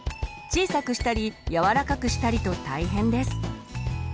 小さくしたり柔らかくしたりと大変です。